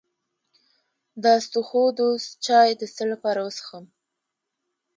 د اسطوخودوس چای د څه لپاره وڅښم؟